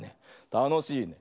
たのしいね。